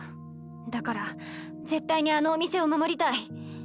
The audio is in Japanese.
だから絶対にあのお店を守りたい。